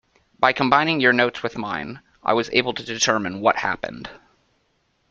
By combining your notes with mine, I was able to determine what happened.